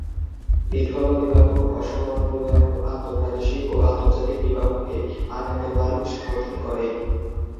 বিধবাবিবাহ, অসবর্ণ বিবাহ, আন্তঃপ্রাদেশিক ও আন্তর্জাতিক বিবাহকে আনন্দমার্গ সমর্থন করে।